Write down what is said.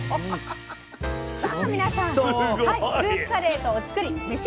さあ皆さんスープカレーとお造り召し上がれ。